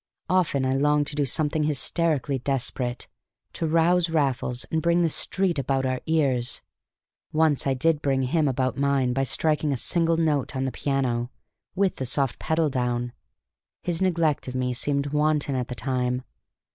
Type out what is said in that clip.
Often I longed to do something hysterically desperate, to rouse Raffles and bring the street about our ears; once I did bring him about mine by striking a single note on the piano, with the soft pedal down. His neglect of me seemed wanton at the time.